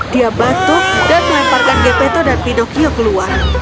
dia batuk dan melemparkan gapeto dan pinocchio keluar